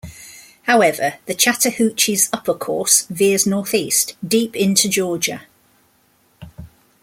However the Chattahoochee's upper course veers northeast, deep into Georgia.